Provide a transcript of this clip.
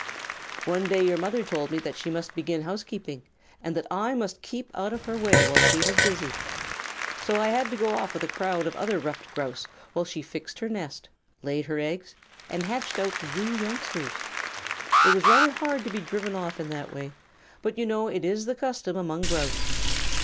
One day your mother told me that she must begin housekeeping and that I must keep out of the way while she was busy. So I had to go off with a crowd of other Ruffed Grouse while she fixed her nest, laid her eggs, and hatched out you youngsters. It was rather hard to be driven off in that way, but you know it is the custom among Grouse.